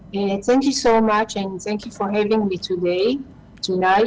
เกี่ยวกับเกี่ยวกับสัปดาห์คงเป็นสิ่งที่ไม่น่าไปจากฝั่ง